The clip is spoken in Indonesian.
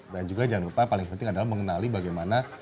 dan juga jangan lupa paling penting adalah mengenali bagaimana